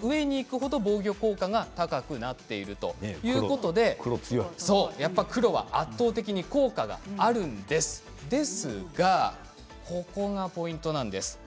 上にいく程、防御効果が高くなっているということでやっぱり黒は、圧倒的に効果があるんですがここがポイントです。